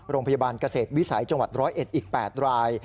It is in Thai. โรงพยาบาลเกษตรวิสัยจังหวัด๑๐๑อีก๘ราย